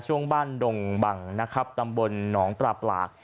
ช่วงบ้านดงบังนะครับตำบลหนองปราบหลัก